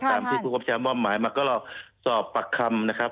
ตามที่ผู้ควบชายมอบหมายมาก็เราสอบปากคำนะครับ